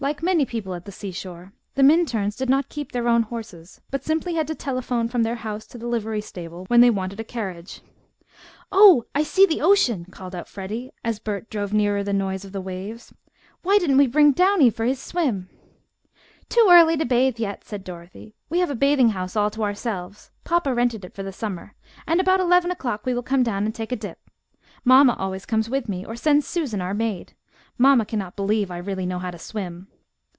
Like many people at the seashore, the Minturns did not keep their own horses, but simply had to telephone from their house to the livery stable when they wanted a carriage. "Oh, I see the ocean!" called out Freddie, as Bert drove nearer the noise of the waves. "Why didn't we bring Downy for his swim?" "Too early to bathe yet!" said Dorothy. "We have a bathing house all to ourselves, papa rented it for the summer, and about eleven o'clock we will come down and take a dip. Mamma always comes with me or sends Susan, our maid. Mamma cannot believe I really know how to swim."